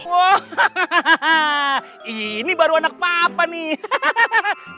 woh hahahaha ini baru anak papa nih